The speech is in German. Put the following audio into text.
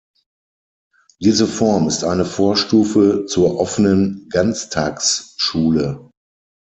Diese Form ist eine Vorstufe zur offenen Ganztagsschule.